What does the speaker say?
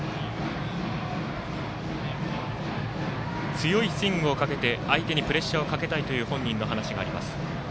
強いスイングをかけて、相手にプレッシャーをかけたいという本人の話があります。